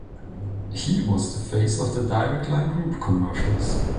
He was the face of the Direct Line Group commercials.